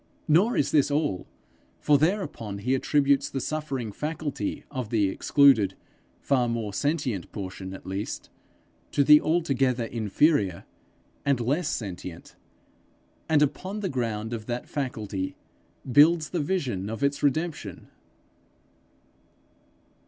Nor is this all; for thereupon he attributes the suffering faculty of the excluded, far more sentient portion at least, to the altogether inferior and less sentient, and upon the ground of that faculty builds the vision of its redemption!